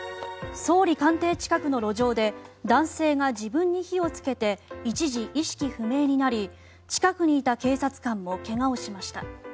総理官邸近くの路上で男性が自分に火をつけて一時、意識不明になり近くにいた警察官も怪我をしました。